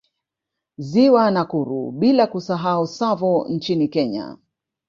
Ziwa Nakuru bila kusahau Tsavo nchini Kenya